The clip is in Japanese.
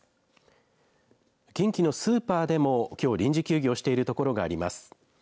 近畿のスーパーでもきょう、臨時休業している所があります。